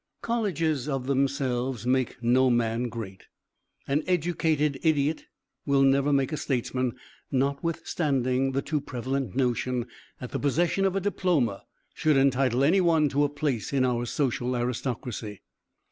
Colleges, of themselves, make no man great. An 'educated idiot' will never make a statesman, notwithstanding the too prevalent notion that the possession of a diploma should entitle any one to a place in our social aristocracy.